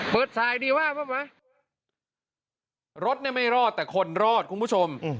เปิดทรายดีว่ารถเนี่ยไม่รอดแต่คนรอดคุณผู้ชม